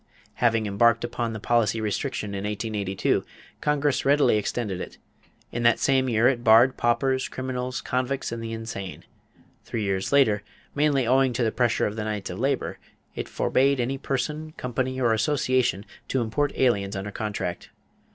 Having embarked upon the policy of restriction in 1882, Congress readily extended it. In that same year it barred paupers, criminals, convicts, and the insane. Three years later, mainly owing to the pressure of the Knights of Labor, it forbade any person, company, or association to import aliens under contract.